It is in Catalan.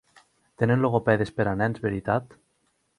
Tenen logopedes per a nens, veritat?